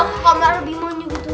ke kamar lebih manis gitu